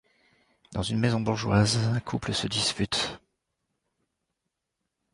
Dans une maison bourgeoise, un couple se dispute.